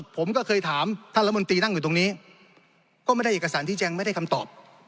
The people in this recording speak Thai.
ผมก็เคยถามท่านรัฐมนตรีนั่งอยู่ตรงนี้ก็ไม่ได้เอกสารที่แจ้งไม่ได้คำตอบ